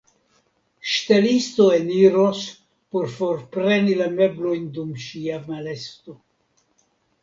Ŝtelisto eniros por forpreni la meblojn dum ŝia malesto.